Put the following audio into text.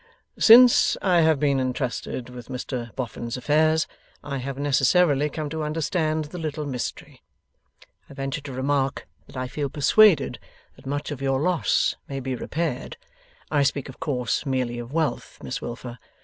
'Since I have been entrusted with Mr Boffin's affairs, I have necessarily come to understand the little mystery. I venture to remark that I feel persuaded that much of your loss may be repaired. I speak, of course, merely of wealth, Miss Wilfer.